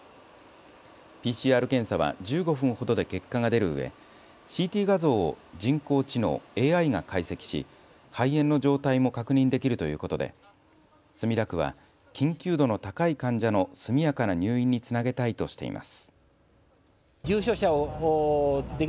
ＰＣＲ検査は１５分ほどで結果が出るうえＣＴ画像を人工知能・ＡＩが解析し肺炎の状態も確認できるということで墨田区は緊急度の高い患者の速やかな入院につなげたいとしています。